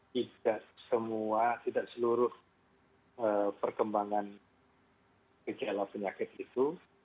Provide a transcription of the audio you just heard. tidak semua tidak seluruh perkembangan gejala penyakit itu